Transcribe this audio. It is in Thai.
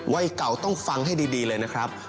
วัยเก่าต้องฟังให้ดีเลยนะครับ